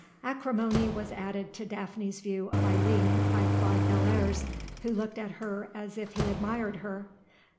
Acrimony was added to Daphne's view of Eileen by Claude Bellairs, who looked at her as if he admired her.